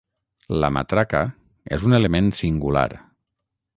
La matraca és un element singular.